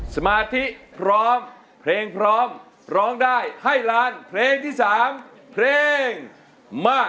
สมาธิพร้อมเพลงพร้อมร้องได้ให้ล้านเพลงที่๓เพลงมา